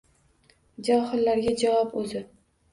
Johillarga javob oʼzi